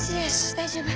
大丈夫？